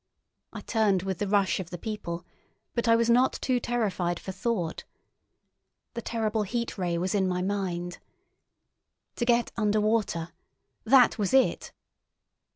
I turned with the rush of the people, but I was not too terrified for thought. The terrible Heat Ray was in my mind. To get under water! That was it!